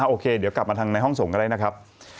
โอเคเดี๋ยวกลับมาทางในห้องส่งก็ได้นะครับ